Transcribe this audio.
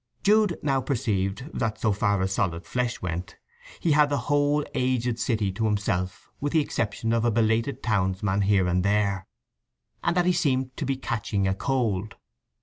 Jude now perceived that, so far as solid flesh went, he had the whole aged city to himself with the exception of a belated townsman here and there, and that he seemed to be catching a cold.